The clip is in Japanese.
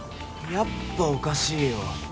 やっぱおかしいよ。